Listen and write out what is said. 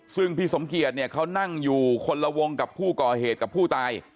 ซึ่งพี่สมเกียจเนี่ยเขานั่งอยู่คนละวงกับผู้ก่อเหตุกับผู้ตาย